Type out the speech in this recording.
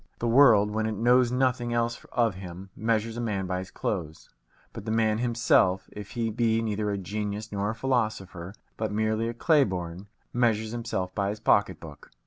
The world, when it knows nothing else of him, measures a man by his clothes; but the man himself, if he be neither a genius nor a philosopher, but merely a clay born, measures himself by his pocket book.